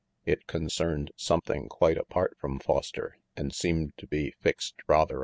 It concerned something quite apart from Foster and seemed to be fixed rather